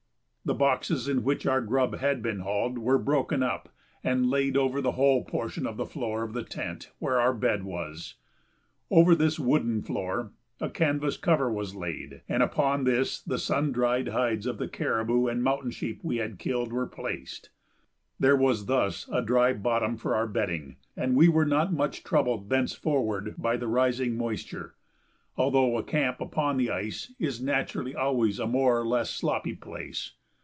The boxes in which our grub had been hauled were broken up and laid over the whole portion of the floor of the tent where our bed was; over this wooden floor a canvas cover was laid, and upon this the sun dried hides of the caribou and mountain sheep we had killed were placed. There was thus a dry bottom for our bedding, and we were not much troubled thenceforward by the rising moisture, although a camp upon the ice is naturally always a more or less sloppy place.